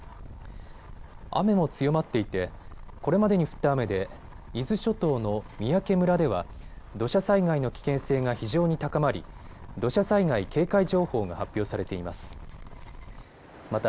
雨も強まっていてこれまでに降った雨で伊豆諸島の三宅村では土砂災害の危険性が非常に高まり土砂災害警戒情報が発表されています。